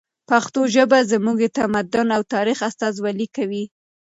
پښتو ژبه زموږ د تمدن او تاریخ استازولي کوي.